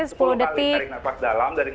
tarik nafas dalam dari hidung keluarkan dari mulut